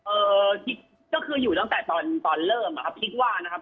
เอ่อคิดก็คืออยู่ตั้งแต่ตอนตอนเริ่มอะครับคิดว่านะครับ